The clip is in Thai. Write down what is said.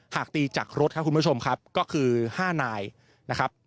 หากตีจากรถครับคุณผู้ชมครับก็คือ๕นายนะครับ